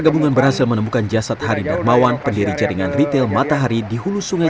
sementara petugas kepolisian yang datang ke lokasi langsung melakukan olah tempat kejadian perkara